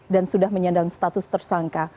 dan sudah menyandang status tersangka